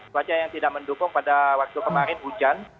wajah yang tidak mendukung pada waktu kemarin hujan